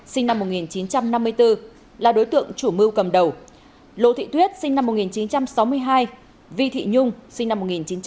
sinh năm một nghìn chín trăm năm mươi bốn là đối tượng chủ mưu cầm đầu lô thị tuyết sinh năm một nghìn chín trăm sáu mươi hai vi thị nhung sinh năm một nghìn chín trăm tám mươi